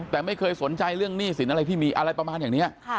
แต่ไม่เคยสนใจเรื่องหนี้สินอะไรที่มีอะไรประมาณอย่างนี้